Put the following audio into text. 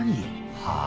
「はあ？」